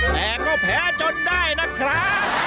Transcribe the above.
แต่ก็แพ้จนได้นะครับ